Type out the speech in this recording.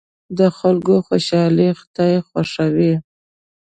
د خلکو خوشحالي خدای خوښوي.